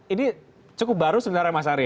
ini cukup baru sebenarnya mas ari